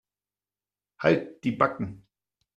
Halt die Backen.